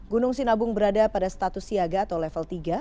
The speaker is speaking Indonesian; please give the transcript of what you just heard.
gunung sinabung berada pada status siaga atau level tiga